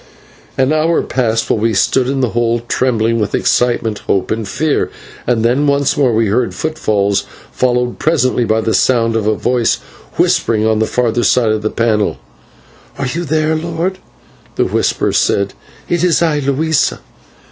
An hour passed while we stood in the hole trembling with excitement, hope, and fear, and then once more we heard footfalls, followed presently by the sound of a voice whispering on the further side of the panel. "Are you there, lord?" the whisper said. "It is I, Luisa."